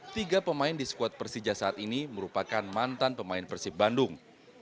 tiga pemain di skuad persija saat ini merupakan mantan pemain persib bandung